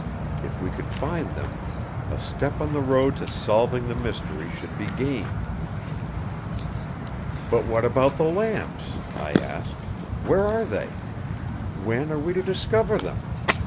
If we could find them, a step on the road to solving the mystery should be gained. "'But what about the lamps?' I asked. 'Where are they? When are we to discover them?